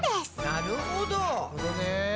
なるほどね。